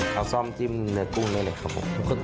เขาซ่อมจิ้มเนื้อกุ้งได้เลยครับผม